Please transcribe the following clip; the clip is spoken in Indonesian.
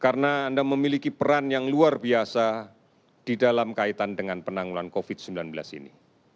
karena anda memiliki peran yang luar biasa di dalam kaitan dengan penanggulan covid sembilan belas ini